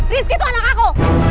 rizky itu anak aku